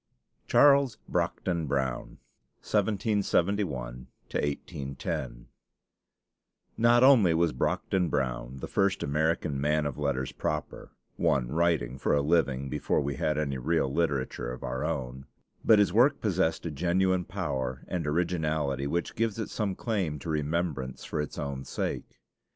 CHARLES BROCKDEN BROWN (1771 1810) Not only was Brockden Brown the first American man of letters proper, one writing for a living before we had any real literature of our own, but his work possessed a genuine power and originality which gives it some claim to remembrance for its own sake.